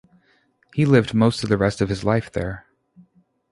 He lived most of the rest of his life there.